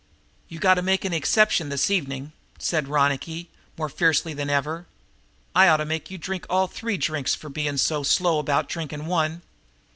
"You got to make an exception this evening," said Ronicky, more fiercely than ever. "I ought to make you drink all three drinks for being so slow about drinking one!"